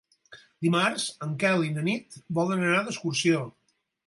Dimarts en Quel i na Nit volen anar d'excursió.